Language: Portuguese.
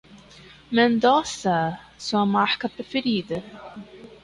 "Mendonça! Sua marca preferida.